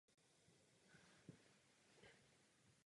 Park byl zřízen za účelem ochrany původních středomořských ekosystémů.